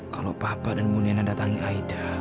kalau papa dan bu nena datang ke aida